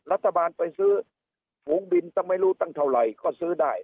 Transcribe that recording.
รัฐบาลไปซื้อฝูงบินตั้งไม่รู้ตั้งเท่าไหร่ก็ซื้อได้